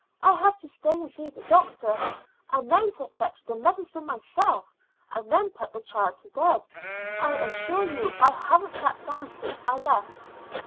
I had to stay and see the doctor, and then to fetch the medicine myself, and then put the child to bed. I assure you I haven't sat down since I left."